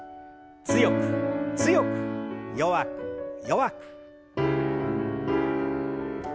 強く強く弱く弱く。